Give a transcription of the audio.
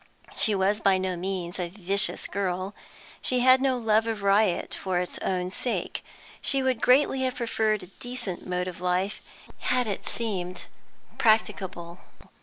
She was by no means a vicious girl, she had no love of riot for its own sake; she would greatly have preferred a decent mode of life, had it seemed practicable.